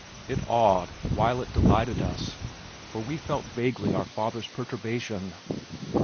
It awed while it delighted us for we felt vaguely our father's perturbation.